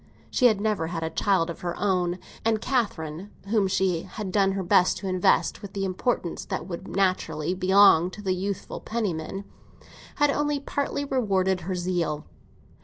She had never had a child of her own, and Catherine, whom she had done her best to invest with the importance that would naturally belong to a youthful Penniman, had only partly rewarded her zeal.